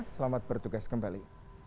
selamat bertugas kembali